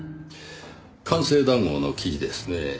官製談合の記事ですねぇ。